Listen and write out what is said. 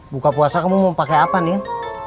buka puasa kamu mau pake apa nin